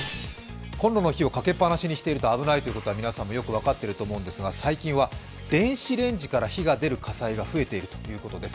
こんろの火をかけっぱなしにしていると危ないというのは皆さんもよく分かっていると思いますが最近は電子レンジから火が出る火災が増えているようです。